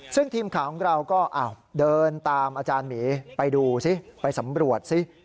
ซึ่งทีมข่าวของเราก็เดินตามอาจารย์หมีไปดูซิไปสำรวจสิ